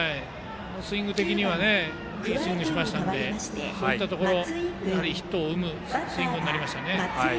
スイング的にはいいスイングをしましたのでヒットを生むスイングになりましたね。